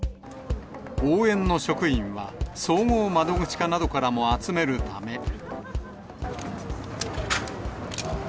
応援の職員は総合窓口課などからも集めるため。